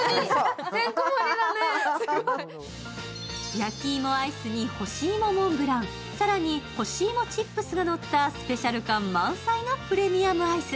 焼き芋アイスに干し芋モンブラン、更に干し芋チップスがのったスペシャル感満載のプレミアムアイス。